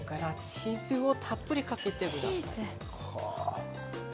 チーズをたっぷりかけてください。